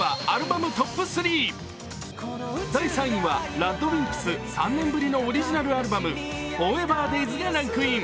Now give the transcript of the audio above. ＲＡＤＷＩＭＰＳ３年ぶりのオリジナルアルバム、「ＦＯＲＥＶＥＲＤＡＺＥ」がランクイン。